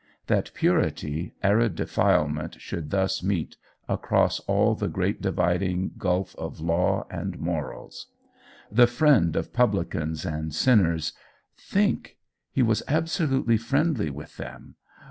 That purity arid defilement should thus meet across all the great dividing gulf of law and morals! The friend of publicans and sinners! Think: he was absolutely friendly with them!